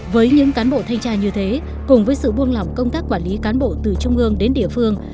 với những cán bộ thanh tra như thế cùng với sự buông lỏng công tác quản lý cán bộ từ trung ương đến địa phương